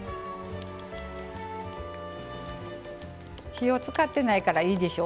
火を使ってないからいいでしょ。